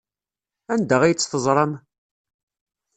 Anda ay tt-teẓram?